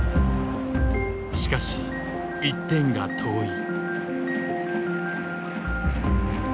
しかし１点が遠い。